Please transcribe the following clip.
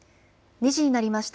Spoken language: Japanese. ２時になりました。